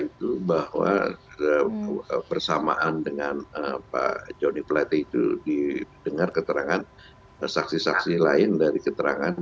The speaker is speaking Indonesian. itu bahwa bersamaan dengan pak joni plate itu didengar keterangan saksi saksi lain dari keterangan